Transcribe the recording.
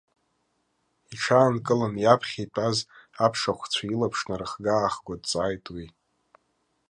Иҽаанкылан, иаԥхьа итәаз аԥшыхәцәа илаԥш нырыхгааарыхго дҵааит уи.